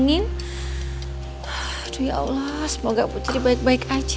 ini kalau conserv beij